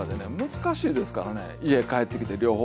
難しいですからね家帰ってきて両方。